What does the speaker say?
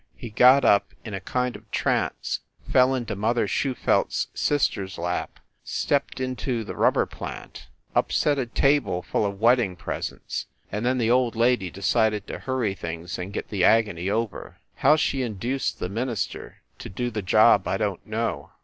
He got up, in a kind of a trance, fell into Mother Schu felt s sister s lap, stepped into the rubber plant, upset a table full of wedding presents, and then the old lady decided to hurry things and get the agony over. How she induced the minister to do the job I don t know.